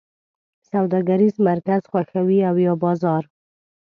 سوداګریز مرکز خوښوی او یا بازار؟